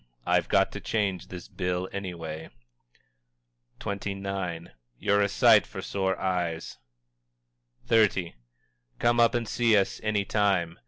I've got to change this bill anyway_." XXIX. "You're a sight for sore eyes!" XXX. "_Come up and see us any time.